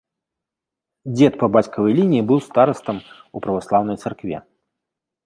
Дзед па бацькавай лініі быў старастам у праваслаўнай царкве.